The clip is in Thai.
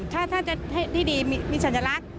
ถ้าจะให้ดีมีสัญลักษณ์